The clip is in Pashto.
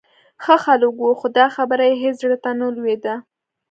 ښه خلک و، خو دا خبره یې هېڅ زړه ته نه لوېده.